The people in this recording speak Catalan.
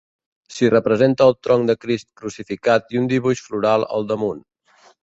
S'hi representa el tronc de Crist crucificat i un dibuix floral al damunt.